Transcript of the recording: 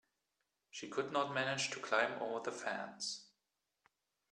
She could not manage to climb over the fence.